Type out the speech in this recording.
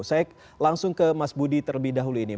saya langsung ke mas budi terlebih dahulu ini